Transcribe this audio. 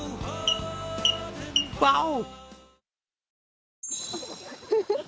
ワオ！